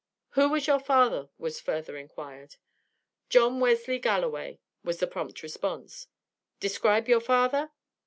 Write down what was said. "Who was your father?" was further inquired. "John Wesley Galloway," was the prompt response. "Describe your father?"